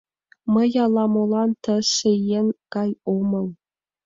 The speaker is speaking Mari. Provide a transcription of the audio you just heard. — Мый ала-молан тысе еҥ гай омыл.